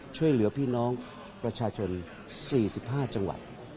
ช่วยเหลือพี่น้องประชาชน๔๕จังหวัด